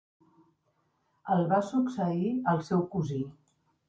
El va succeir el seu cosí.